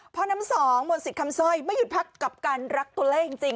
เพ้อน้ำสองหม่อสิทธิ์คำซ่อย